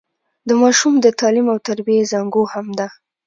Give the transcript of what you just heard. د ماشوم د تعليم او تربيې زانګو هم ده.